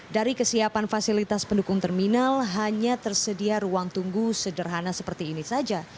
dari kesiapan fasilitas pendukung terminal hanya tersedia ruang tunggu sederhana seperti ini saja